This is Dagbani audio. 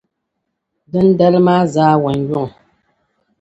Dindali maa zaawunyuŋ.